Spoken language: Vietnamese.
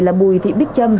là bùi thị bích trâm